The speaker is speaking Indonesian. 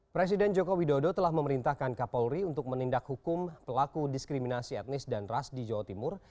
presiden joko widodo telah memerintahkan kapolri untuk menindak hukum pelaku diskriminasi etnis dan ras di jawa timur